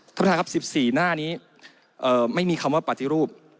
ท่านประธานครับ๑๔หน้านี้ไม่มีคำว่าปฏิรูป